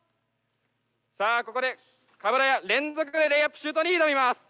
さあここで鏑連続でレイアップシュートに挑みます。